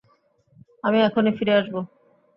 আমি এখনি ফিরে আসব।